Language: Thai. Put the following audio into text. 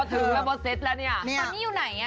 ตอนนี้อยู่ไหน